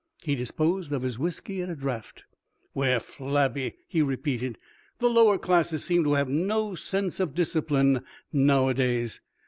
He disposed of his whisky at a draught. "We're flabby," he repeated. "The lower classes seem to have no sense of discipline nowadays.